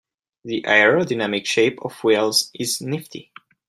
The aerodynamic shape of whales is nifty.